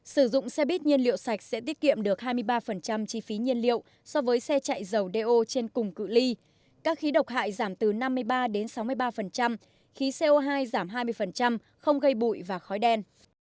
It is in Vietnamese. sử dụng xe buýt nhiên liệu sạch sẽ tiết kiệm được hai mươi ba chi phí nhiên liệu so với xe chạy dầu do trên cùng cự li các khí độc hại giảm từ năm mươi ba đến sáu mươi ba khí co hai giảm hai mươi không gây bụi và khói đen